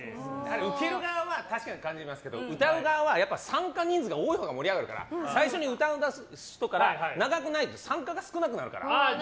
受ける側は確かに感じますけど歌う側は参加人数が多いほうが盛り上がるから最初に歌い出す人から長くないと参加が少なくなるから。